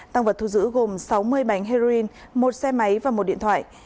tăng vật thu giữ gồm sáu mươi bánh heroin một xe máy và một điện thoại